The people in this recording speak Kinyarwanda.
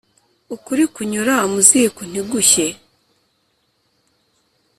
Ukuri kunyura mu ziko ntigushye.